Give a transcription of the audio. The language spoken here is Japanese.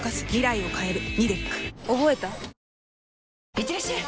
いってらっしゃい！